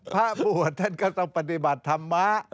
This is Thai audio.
พระบวชท่านก็ต้องปฏิบัติธรรมะ